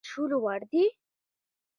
ایا دا اوبه د څښلو وړ دي؟